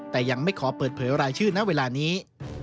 แต่ยังไม่ขอเปิดเผยรายชื่อณเวลานี้